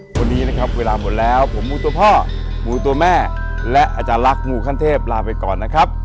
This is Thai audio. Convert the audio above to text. วันนี้นะครับเวลาหมดแล้วผมหมูตัวพ่อหมูตัวแม่และอาจารย์ลักษ์มูขั้นเทพลาไปก่อนนะครับ